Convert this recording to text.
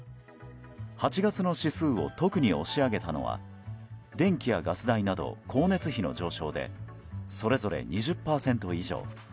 ８月の指数を特に押し上げたのは電気やガス代など光熱費の上昇でそれぞれ２０％以上。